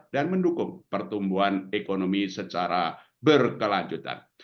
dan mendukung pertumbuhan ekonomi secara berkelanjutan